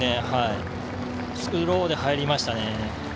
スローで入りましたね。